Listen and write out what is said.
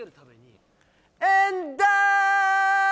エンダー。